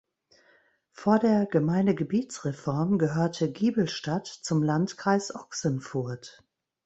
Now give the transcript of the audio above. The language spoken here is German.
Vor der Gemeindegebietsreform gehörte Giebelstadt zum Landkreis Ochsenfurt.